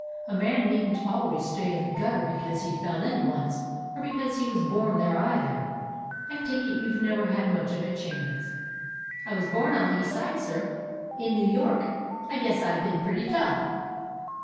A man needn't always stay in the gutter because he fell in once, or because he was born there either. I take it you never had much of a chance." "I was born on the East Side, sir, in New York. I guess I 've been pretty tough."